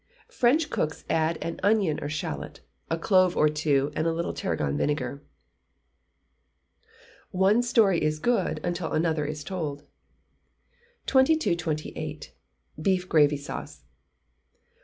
French cooks add an onion or shalot, a clove or two, or a little tarragon vinegar. [ONE STORY IS GOOD UNTIL ANOTHER IS TOLD.] 2228. Beef Gravy Sauce.